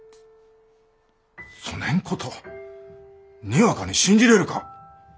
そねんことにわかに信じれるか。